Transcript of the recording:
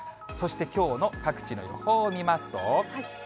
そしてきょうの各地の予報を見ますと。